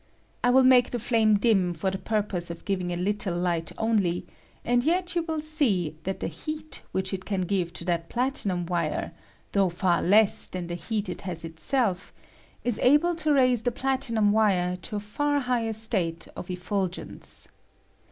I will make the flame dim for the purpose of giving a little light only, and yet you will see that the heat which it can give to that plati num wire, though far leas than the heat it has itself^ is able to raise the platinum wire to a ■far higher state of effulgence.